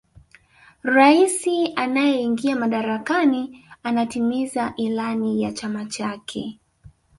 raisi anayeingia madarakani anatimiza ilani ya chama chake